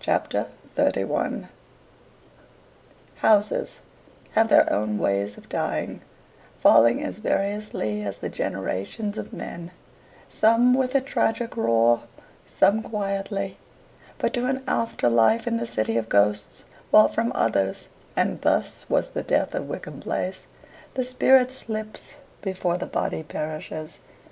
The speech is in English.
Chapter 31 Houses have their own ways of dying, falling as variously as the generations of men, some with a tragic roar, some quietly, but to an after life in the city of ghosts, while from others and thus was the death of Wickham Place the spirit slips before the body perishes.